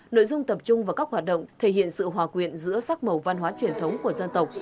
nội dung tập trung vào các hoạt động thể hiện sự hòa quyện giữa sắc màu văn hóa truyền thống của dân tộc